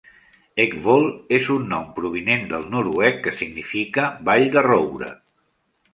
Eckvoll és un nom provinent del noruec que significa "vall de roure".